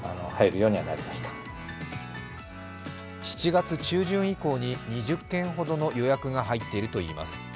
７月中旬以降に２０件ほどの予約が入っているといいます。